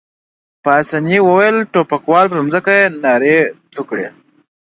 پاسیني وویل: ټوپکوال، پر مځکه يې ناړې تو کړې.